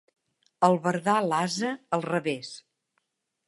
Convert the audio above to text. Albardar l'ase al revés.